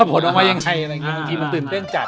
ผลออกมายังไงนังตื่นเต้นจัด